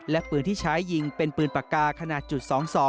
และปืนที่ใช้ยิงเป็นปืนปากกาขนาดจุด๒๒